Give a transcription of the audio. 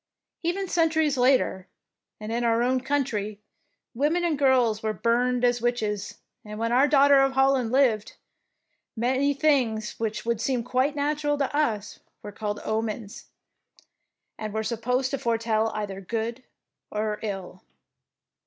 Even centuries later, and in our own country, women and girls were burned as witches, and when our Daughter of Holland lived, many things which would seem quite natural to us were called omens,'' and were supposed to foretell either good or ill.